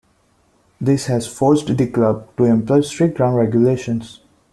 This has forced the club to employ strict ground regulations.